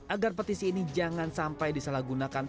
agar petisi ini jangan sampai disalahgunakan